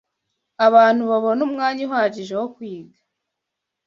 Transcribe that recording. abantu babone umwanya uhagije wo kwiga